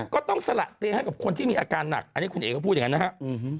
ก็ต้องสละเตียงให้กับคนที่มีอาการหนักอันนี้คุณเอกก็พูดอย่างนั้นนะครับ